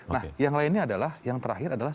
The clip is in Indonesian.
nah yang lainnya adalah yang terakhir adalah